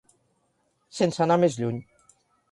Sense anar més lluny.